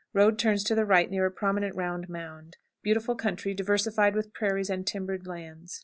Road turns to the right near a prominent round mound. Beautiful country, diversified with prairies and timbered lands.